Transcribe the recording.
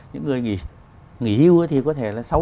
những người nghỉ hưu thì có thể là